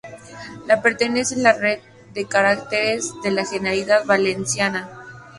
La pertenece a la red de carreteras de la Generalidad Valenciana.